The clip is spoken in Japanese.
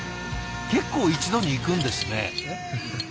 結構一度にいくんですね。